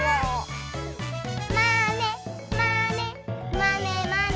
「まねまねまねまね」